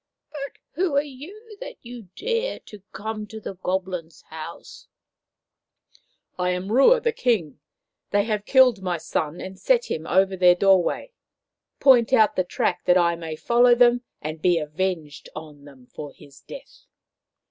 " But who are you that you dare to come to the Goblins' house ?"" I am Rua the King. They have killed my son and set him over their doorway. Point out the track that I may follow them and be avenged on them for his death."